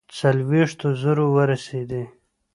څلوېښتو زرو ورسېدی.